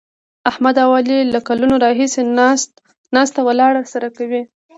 احمد او علي له کلونو راهسې ناسته ولاړه سره کوي.